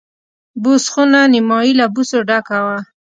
بوس خونه نیمایي له بوسو ډکه وه.